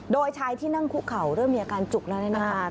โดยชายที่นั่งคุกเข่าเริ่มมีอาการจุกแล้วเนี่ยนะคะ